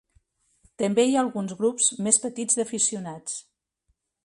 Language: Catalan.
També hi ha alguns grups més petits d'aficionats.